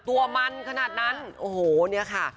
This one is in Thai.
ตัวมัญขนาดนั้นโอโฮนี่ค่ะ